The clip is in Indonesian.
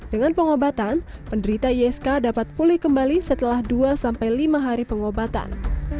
dengan pengobatan penderita isk dapat pulih kembali setelah dua sampai lima hari pengobatan